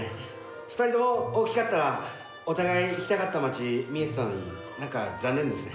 ２人とも大きかったらお互い行きたかった町見えてたのになんか残念ですね。